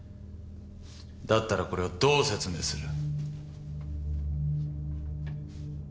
だったらこれはどう説明する？